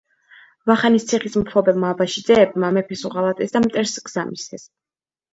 ვახანის ციხის მფლობელმა აბაშიძეებმა მეფეს უღალატეს და მტერს გზა მისცეს.